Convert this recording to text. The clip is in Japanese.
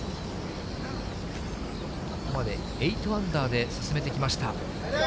ここまで８アンダーで進めてきました。